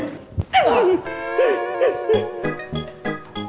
nggak ada apa apa